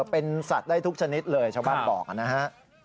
เป็นสัตว์ได้ทุกชนิดเลยชาวบ้านบอกนะฮะ